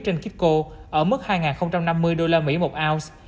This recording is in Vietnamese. trên kipco ở mức hai năm mươi usd một ounce